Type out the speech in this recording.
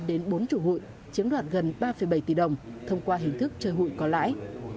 đến bốn trụ hụi chiếm đoạt gần ba bảy tỷ đồng thông qua hình thức chơi hụi con lãi